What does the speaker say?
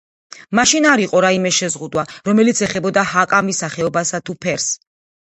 მაშინ არ იყო რაიმე შეზღუდვა, რომელიც ეხებოდა ჰაკამის სახეობასა თუ ფერს.